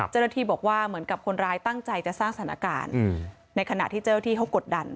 เจ้าหน้าที่บอกว่าเหมือนกับคนร้ายตั้งใจจะสร้างสถานการณ์ในขณะที่เจ้าหน้าที่เขากดดัน